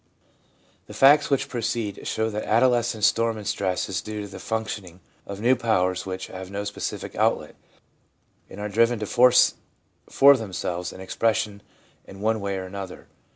The facts which precede show that adolescent storm and stress is due to the functioning of new powers which have no specific outlet, and are driven to force for them selves an expression in one way or another.